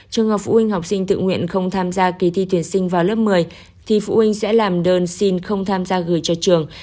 trường hợp phụ huynh học sinh tự nguyện không tham gia kỳ thi tuyển sinh vào lớp một mươi thì phụ huynh sẽ làm đơn xin không tham gia gửi cho trường